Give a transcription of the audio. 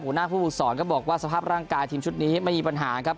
หัวหน้าผู้ฝึกศรก็บอกว่าสภาพร่างกายทีมชุดนี้ไม่มีปัญหาครับ